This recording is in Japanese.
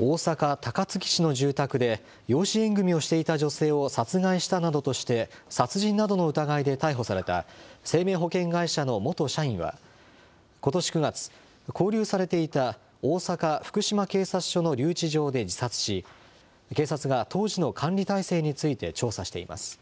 大阪・高槻市の住宅で、養子縁組みをしていた女性を殺害したなどとして、殺人などの疑いで逮捕された、生命保険会社の元社員は、ことし９月、勾留されていた大阪・福島警察署の留置場で自殺し、警察が当時の管理体制について調査しています。